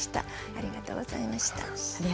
ありがとうございます。